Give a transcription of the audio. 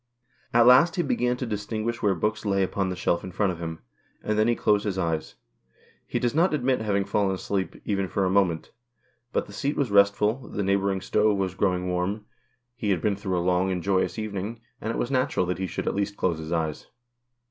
At last he began to distinguish where books lay upon the shelf in front of him. And then he closed his eyes. He does not admit having fallen asleep, even for a moment. But the seat was restful, the neighbouring stove was growing 178 THE KIRK SPOOK. warm, he had been through a long and joyous evening, and it was natural that he should at least close his eyes.